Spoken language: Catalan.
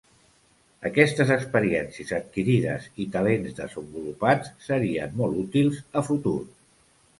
Aquestes experiències adquirides i talents desenvolupats serien molt útils a futur.